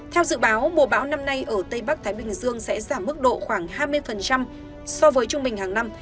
theo dự báo mùa bão năm nay ở tây bắc thái bình dương sẽ giảm mức độ khoảng hai mươi so với trung bình hàng năm